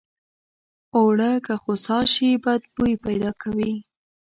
اوړه که خوسا شي بد بوي پیدا کوي